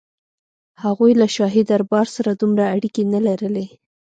هغوی له شاهي دربار سره دومره اړیکې نه لرلې.